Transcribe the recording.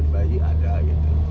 bayi ada gitu